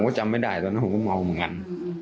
ผมก็จำไม่ได้เมื่อกี๊ว่าตอนนั้นผมเมาเหมือนกัน